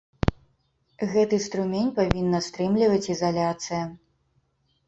Гэты струмень павінна стрымліваць ізаляцыя.